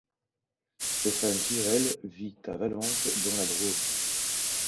Stéphane Girel vit à Valence dans la Drôme.